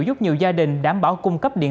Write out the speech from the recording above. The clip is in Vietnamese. giúp nhiều gia đình đảm bảo cung cấp điện